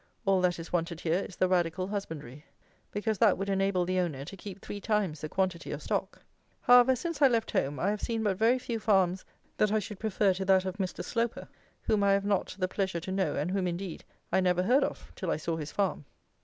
All that is wanted here is the radical husbandry; because that would enable the owner to keep three times the quantity of stock. However, since I left home, I have seen but very few farms that I should prefer to that of Mr. Sloper, whom I have not the pleasure to know, and whom, indeed, I never heard of till I saw his farm.